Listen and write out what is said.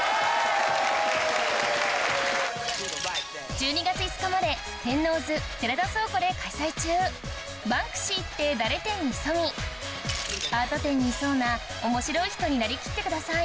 １２月５日まで天王洲寺田倉庫で開催中「バンクシーって誰？展」に潜みアート展にいそうな面白い人になりきってください